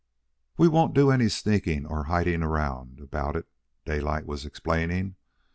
"We won't do any sneaking or hiding around about it," Daylight was explaining.